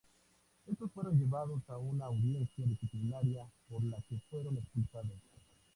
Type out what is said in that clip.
Estos fueron llevados a una audiencia disciplinaria por la que fueron expulsados.